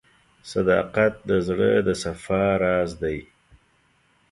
• صداقت د زړه د صفا راز دی.